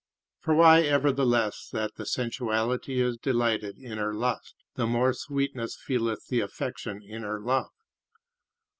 For why, ever the less that the sensuality is delighted in her lust, the more sweetness feeleth the affection in her love.